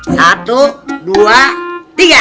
satu dua tiga